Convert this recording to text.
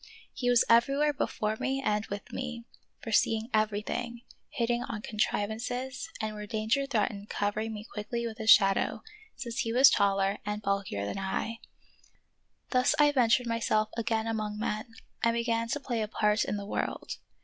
He was everywhere before me and with me; fore seeing everything, hitting on contrivances, and where danger threatened covering me quickly with his shadow, since he was taller and bulkier than I. Thus I ventured myself again among men and began to play a part in the world.